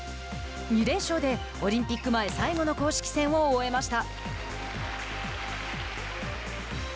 ２連勝でオリンピック前、最後の公式戦を終えました。